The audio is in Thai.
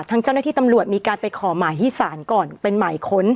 เจ้าหน้าที่ตำรวจมีการไปขอหมายที่ศาลก่อนเป็นหมายค้น